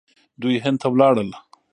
دوی هند ته ولاړل.